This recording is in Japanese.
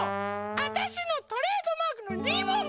わたしのトレードマークのリボンがない！